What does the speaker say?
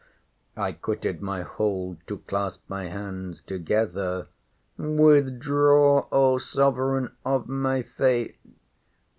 I quitted my hold to clasp my hands together—Withdraw, O sovereign of my fate!